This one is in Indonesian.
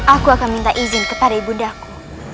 aku akan minta izin kepada ibu daku